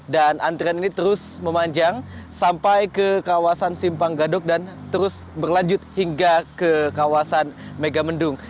dan antrian ini terus memanjang sampai ke kawasan simpang gadok dan terus berlanjut hingga ke kawasan megamendung